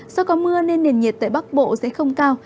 do có mưa nên nền nhiệt tại bắc bộ sẽ không cao